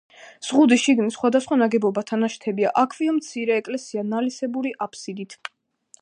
ზღუდის შიგნით სხვადასხვა ნაგებობათა ნაშთებია, აქვეა მცირე ეკლესია ნალისებური აფსიდით.